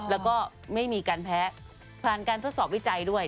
แล้วก็ไม่มีการแพ้ผ่านการทดสอบวิจัยด้วย